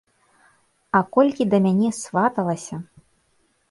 А колькі да мяне сваталася!